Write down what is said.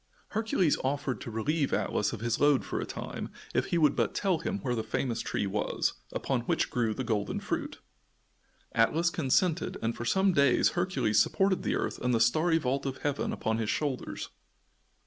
Hercules offered to relieve Atlas of his load for a time, if he would but tell him where the famous tree was, upon which grew the golden fruit. Atlas consented, and for some days Hercules supported the earth and the starry vault of heaven upon his shoulders.